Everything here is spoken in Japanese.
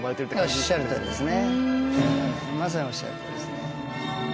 まさにおっしゃるとおりですね。